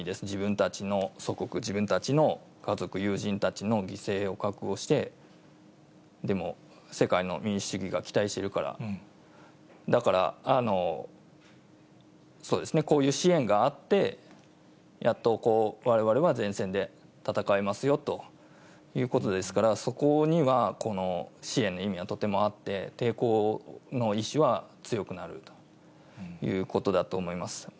自分たちの祖国、自分たちの家族、友人たちの犠牲を覚悟して、でも、世界の民主主義が期待しているから、だから、こういう支援があって、やっとわれわれは前線で戦えますよということですから、そこには支援の意味がとてもあって、抵抗の意志は強くなるということだと思います。